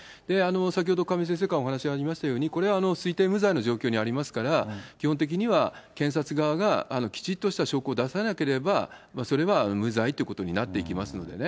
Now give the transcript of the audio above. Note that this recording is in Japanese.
先ほど亀井先生からお話ありましたように、これは推定無罪の状況にありますから、基本的には検察側がきちっとした証拠を出さなければ、それは無罪ということになっていきますのでね。